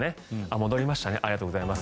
戻りましたねありがとうございます。